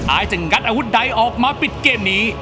อายจะงัดอาวุธใดออกมาปิดเกมนี้